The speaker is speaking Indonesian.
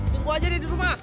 tunggu aja deh di rumah